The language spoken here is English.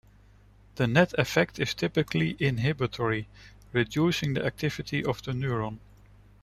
The net effect is typically inhibitory, reducing the activity of the neuron.